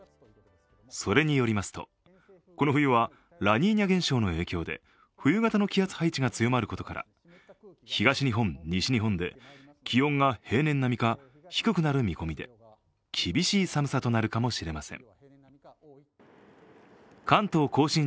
それによりますと、この冬はラニーニャ現象の影響で冬型の気圧配置が強まることから東日本、西日本で気温が平年並みか、低くなる見込みで大雪となる可能性もあるとしています。